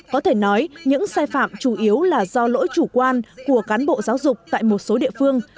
có thể nói những sai phạm chủ yếu là do lỗi chủ quan của cán bộ giáo dục tại một số địa phương